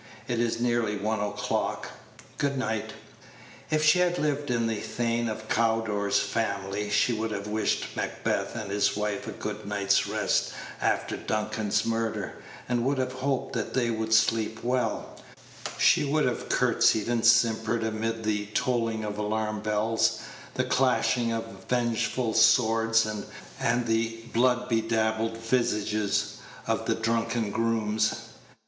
It is nearly one o'clock. Good night." If she had lived in the Thane of Cawdor's family, she would have wished Macbeth and his wife a good night's rest after Duncan's murder, and would have hoped they would sleep well; she would have courtesied and simpered amid the tolling of alarm bells, the clashing of vengeful swords, and the blood bedabbled visages of the drunken grooms.